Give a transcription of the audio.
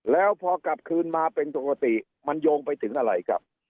แล้วพอกลับคืนมาเป็นปกติมันโยงไปถึงอะไรครับ